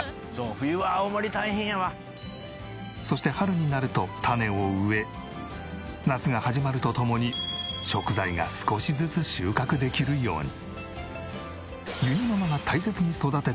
「冬は青森大変やわ」そして春になると種を植え夏が始まるとともに食材が少しずつ収穫できるように。